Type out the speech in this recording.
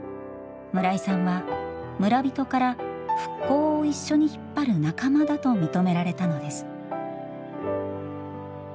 村井さんは村人から復興を一緒に引っ張る仲間だと認められたのです。